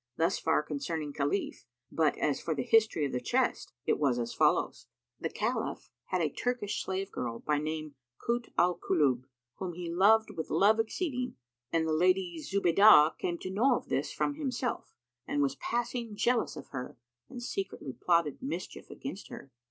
[FN#288] Thus far concerning Khalif; but as for the history of the chest, it was as follows: The Caliph had a Turkish slave girl, by name Kut al Kulúb, whom he loved with love exceeding and the Lady Zubaydah came to know of this from himself and was passing jealous of her and secretly plotted mischief against her.